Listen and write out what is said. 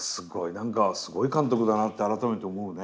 何かすごい監督だなって改めて思うね。